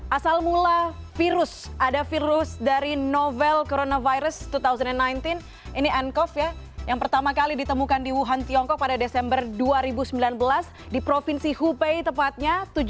asal mula virus ada virus dari novel coronavirus dua ribu sembilan belas ini ncov ya yang pertama kali ditemukan di wuhan tiongkok pada desember dua ribu sembilan belas di provinsi hubei tepatnya